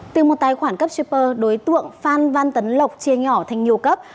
từ một tài khoản cấp juper đối tượng phan văn tấn lộc chia nhỏ thành nhiều cấp